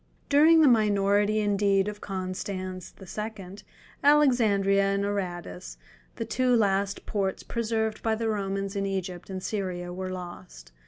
During the minority indeed of Constans II., Alexandria(20) and Aradus, the two last ports preserved by the Romans in Egypt and Syria were lost.